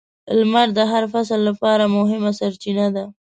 • لمر د هر فصل لپاره مهمه سرچینه ده.